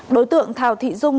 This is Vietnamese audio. đối tượng thảo thị dung